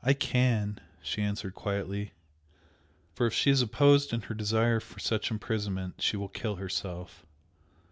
"I can!" she answered quietly "For if she is opposed in her desire for such imprisonment she will kill herself.